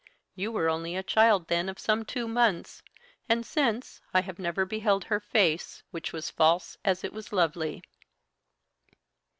You were only a child then of some two months, and, since, I have never beheld her face, which was false as it was lovely.